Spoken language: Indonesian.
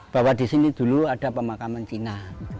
bahwa di sini dulu ada pemakaman cina